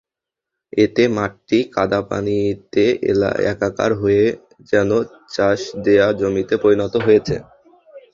এতে মাঠটি কাদাপানিতে একাকার হয়ে যেন চাষ দেওয়া জমিতে পরিণত হয়েছে।